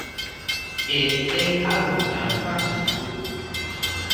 E é algo tan básico!